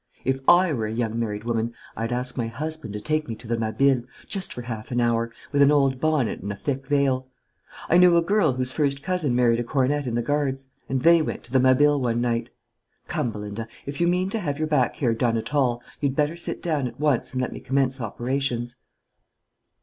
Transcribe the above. If I were a young married woman, I'd ask my husband to take me to the Mabille, just for half an hour, with an old bonnet and a thick veil. I knew a girl whose first cousin married a cornet in the Guards, and they went to the Mabille one night. Come, Belinda, if you mean to have your back hair done at all, you'd better sit down at once and let me commence operations."